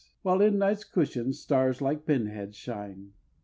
While in Night's cushion stars like pin heads shine."